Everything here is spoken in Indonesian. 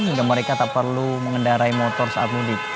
hingga mereka tak perlu mengendarai motor saat mudik